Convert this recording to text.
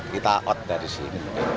kita out dari sini